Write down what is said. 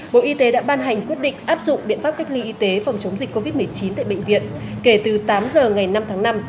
bộ y tế đã ban hành quyết định áp dụng biện pháp cách ly y tế phòng chống dịch covid một mươi chín tại bệnh viện kể từ tám giờ ngày năm tháng năm